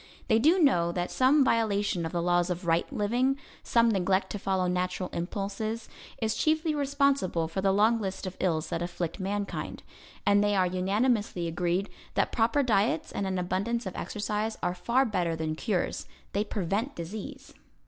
They do know that some violation of the laws of right living, some neglect to follow natural impulses, is chiefly responsible for the long list of ills that afflict mankind. And they are unanimously agreed that proper diets and an abundance of exercise are far better than cures; they prevent disease.